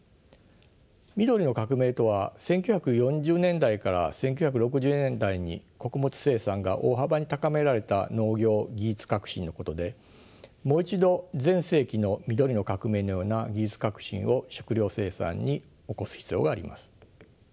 緑の革命とは１９４０年代から１９６０年代に穀物生産が大幅に高められた農業技術革新のことでもう一度前世紀の緑の革命のような技術革新を食糧生産に起こす必要があります。